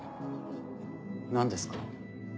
何ですか？